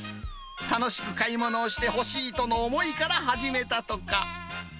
楽しく買い物をしてほしいとの思いから始めたとか。